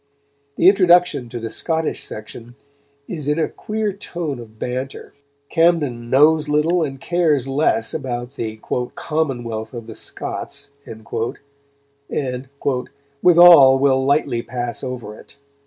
The introduction to the Scottish section is in a queer tone of banter; Camden knows little and cares less about the "commonwealth of the Scots," and "withall will lightly pass over it."